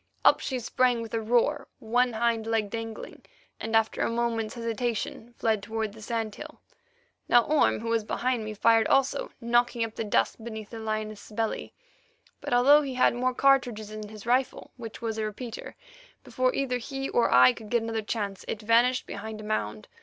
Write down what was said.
Up she sprang with a roar, one hind leg dangling, and after a moment's hesitation, fled toward the sand hill. Now Orme, who was behind me, fired also, knocking up the dust beneath the lioness's belly, but although he had more cartridges in his rifle, which was a repeater, before either he or I could get another chance, it vanished behind a mound.